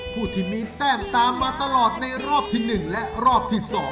ผู้ที่มีแต้มตามมาตลอดในรอบที่๑และรอบที่๒